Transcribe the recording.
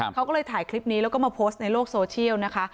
เขาก็เลยถ่ายคลิปนี้แล้วก็มาโพสต์ในโลกโซเชียลนะคะ